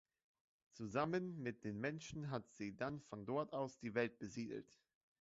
Zusammen mit den Menschen hat sie dann von dort aus die Welt besiedelt.